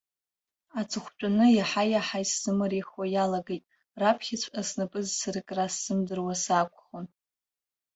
Аҵыхәтәаны иаҳа-иаҳа исзымариахо иалагеит, раԥхьаҵәҟьа снапы зсыркра сзымдыруа саақәхон.